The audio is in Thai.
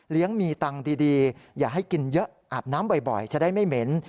มีตังค์ดีอย่าให้กินเยอะอาบน้ำบ่อยจะได้ไม่เหม็น